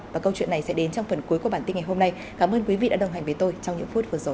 và câu chuyện này sẽ đến trong phần cuối của bản tin ngày hôm nay cảm ơn quý vị đã đồng hành với tôi trong những phút vừa rồi